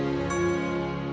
kagak pernah bener